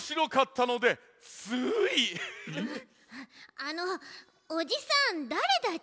あのおじさんだれだち？